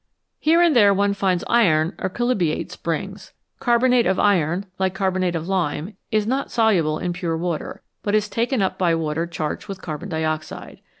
Here and there one finds iron or chalybeate springs. Carbonate of iron, like carbonate of lime, is not soluble in pure water, but is taken up by water charged with carbon dioxide.